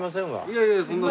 いやいやそんな。